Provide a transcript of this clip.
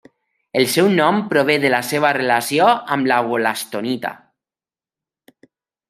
El seu nom prové de la seva relació amb la wol·lastonita.